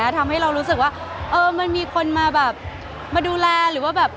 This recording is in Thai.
ทำให้เรารู้สึกว่ามันมีคนมาแบบดูแล